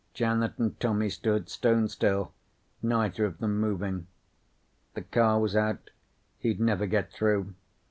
Janet and Tommy stood stone still, neither of them moving. The car was out. He'd never get through.